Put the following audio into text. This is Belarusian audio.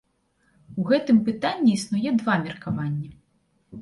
У гэтым пытанні існуе два меркаванні.